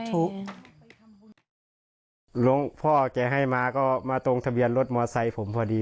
หลวงพ่อแกให้มาก็มาตรงทะเบียนรถมอไซค์ผมพอดี